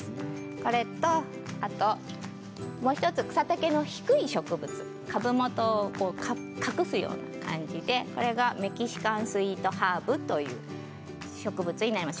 これと草丈の低い植物株元を隠すような感じでメキシカンスィートハーブという植物になります。